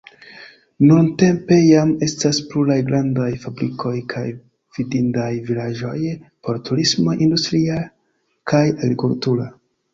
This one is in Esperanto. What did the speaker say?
Nuntempe jam estas pluraj grandaj fabrikoj kaj vidindaj vilaĝoj por turismoj industria kaj agrikultura.